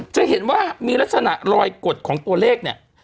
จะเห็นว่ามีลักษณะรอยกดของตัวเลขเนี่ย